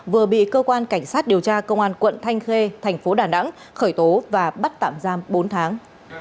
vừa bị cơ quan cảnh sát điều tra công an quận thanh khê thành phố đà nẵng khởi tố và bắt tạm giam bốn tháng